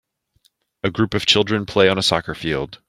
A group of children play on a soccer field.